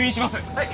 はい！